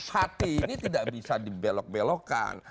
hati ini tidak bisa dibelok belokkan